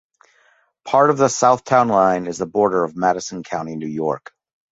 Part of the south town line is the border of Madison County, New York.